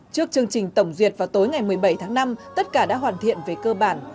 trước chương trình tổng duyệt vào tối ngày một mươi bảy tháng năm tất cả đã hoàn thiện về cơ bản